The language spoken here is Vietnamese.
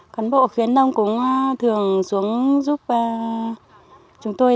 cán bộ khuyến nông cũng thường xuống giúp chúng tôi